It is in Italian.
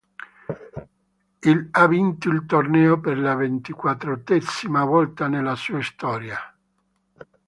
Il ha vinto il torneo per la ventiquattresima volta nella sua storia.